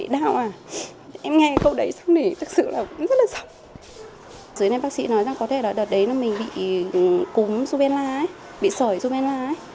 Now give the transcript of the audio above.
dưới này bác sĩ nói rằng có thể là đợt đấy mình bị cúm su bên la bị sởi su bên la